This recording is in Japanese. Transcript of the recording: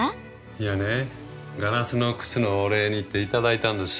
いやねガラスの靴のお礼にっていただいたんです。